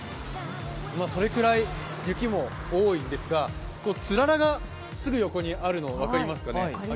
それくらい雪も多いんですが、つららがすぐ横にあるの、分かりますか？